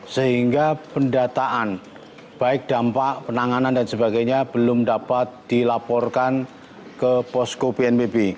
sehingga pendataan baik dampak penanganan dan sebagainya belum dapat dilaporkan ke posko bnpb